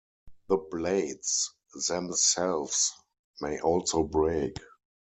The blades themselves may also break.